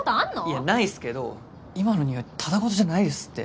いやないっすけど今のにおいはただ事じゃないですって。